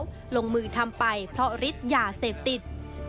และแฟนสาวลงมือทำไปเพราะฤทธิ์อย่าเสพติด